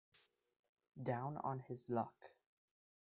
Down on his luck.